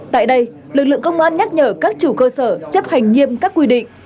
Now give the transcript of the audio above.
tại đây lực lượng công an nhắc nhở các chủ cơ sở chấp hành nghiêm các quy định